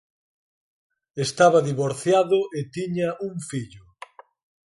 Estaba divorciado e tiña un fillo.